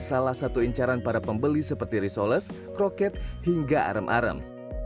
pencarian para pembeli seperti risoles kroket hingga arem arem